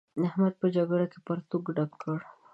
احمد په جګړه کې پرتوګ ډک کړ.